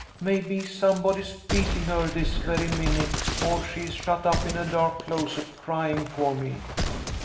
Maybe somebody's beating her this very minute, or she is shut up in a dark closet crying for me."